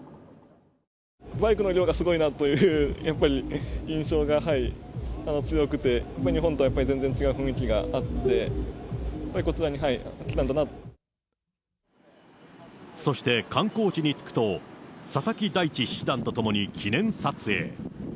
バイクの量がすごいなという、やっぱり印象が強くて、日本とはやっぱり全然違う雰囲気があって、そして観光地に着くと、佐々木大地七段と共に記念撮影。